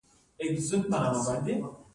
د شړشمو تیل طبیعي دي.